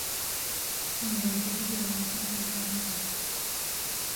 Em rojê du caran diçin serdana wê.